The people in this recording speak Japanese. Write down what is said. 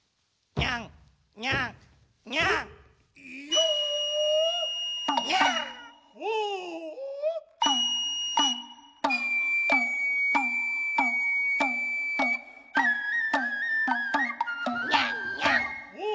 にゃんにゃん。